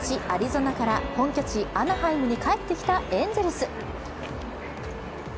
アリゾナから本拠地アナハイムに帰ってきたエンゼルス。